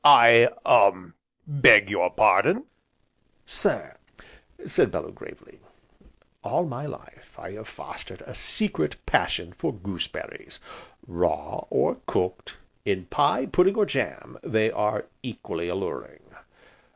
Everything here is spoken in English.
"I ah beg your pardon?" "Sir," said Bellew gravely, "all my life I have fostered a secret passion for goose berries raw, or cooked, in pie, pudding or jam, they are equally alluring.